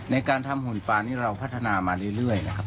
ในการทำหุ่นฟานี้เราพัฒนามาเรื่อยนะครับ